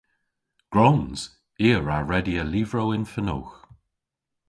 Gwrons! I a wra redya lyvrow yn fenowgh.